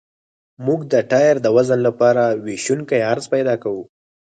موږ د ټایر د وزن لپاره ویشونکی عرض پیدا کوو